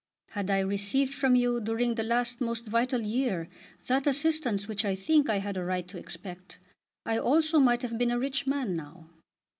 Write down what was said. "Had I received from you during the last most vital year that assistance which I think I had a right to expect, I also might have been a rich man now.